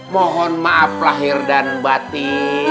mohon maaf lahir dan batin